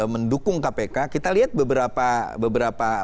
mendukung kpk kita lihat beberapa